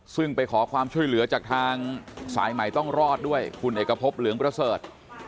ซึ่งไปขอความช่วยเหลือจากทางสายใหม่ต้องรอดด้วยคุณเอกพบเหลืองประเสริฐ